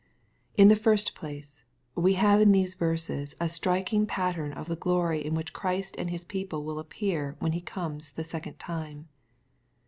In the first place, we have in these verses a striking pattern of the glory in which Christ and his people will appear when He comes the second time.